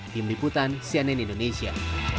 tim liputan cnn indonesia